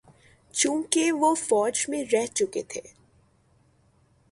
چونکہ وہ فوج میں رہ چکے تھے۔